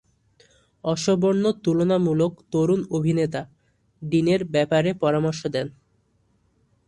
Osborne তুলনামূলক তরুণ অভিনেতা ডিনের ব্যাপারে পরামর্শ দেন।